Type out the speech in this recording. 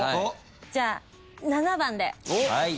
じゃあ７番で。